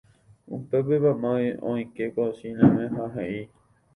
Upépe mama oike kosináme ha he'i